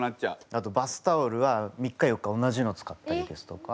あとバスタオルは３日４日同じの使ったりですとか。